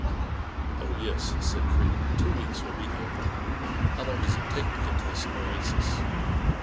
" Oh, yes," said Creel. " Two weeks will be ample. How long does it take to get to this oasis